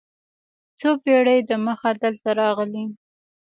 څو پېړۍ دمخه دلته راغلي.